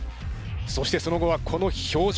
そしてその後はこの表情。